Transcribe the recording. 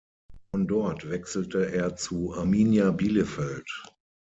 Von dort wechselte er zu Arminia Bielefeld.